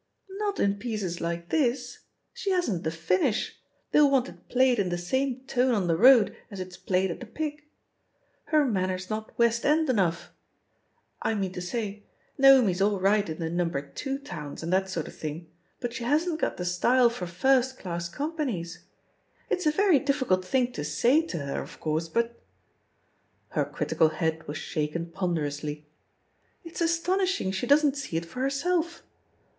"Not in pieces like this ; she hasn't the finish ; they'll want it played in the same tone on the road aa it's played at the Pic. Her manner's not West End enough. I mean to say, Naomi's all right in the No. 2 towns, and that sort of thing, but she hasn't got the style for first class com panies. ... It's a very difficult thing to say to her, of course, but" — ^her critical head was shaken ponderously — ^it's astonishing she doesn't see it for herself.